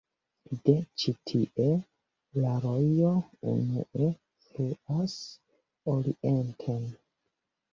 De ĉi-tie la rojo unue fluas orienten.